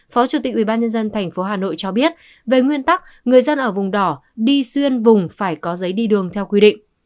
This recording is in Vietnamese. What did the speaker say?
phó chủ tịch ubnd tp hà nội cho biết về nguyên tắc người dân ở vùng đỏ đi xuyên vùng phải có giấy đi đường theo quy định